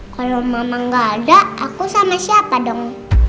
kalau mama gak ada aku sama siapa dong